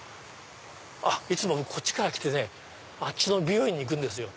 いつも僕こっちから来てあっちの美容院に行くんですよ。